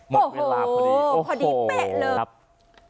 หมดเวลาพอดีพอดีแปะเลย